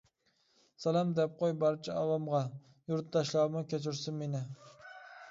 سالام دەپ قوي بارچە ئاۋامغا، يۇرتداشلارمۇ كەچۈرسۇن مېنى.